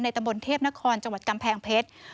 ตะบนเทพนครจังหวัดกำแพงเพชร